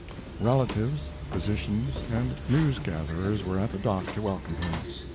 Relatives, physicians, and news gatherers were at the dock to welcome him.